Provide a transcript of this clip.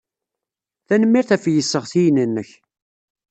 Tanemmirt ɣef yisseɣtiyen-nnek.